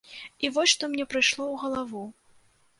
І вось што мне прыйшло ў галаву.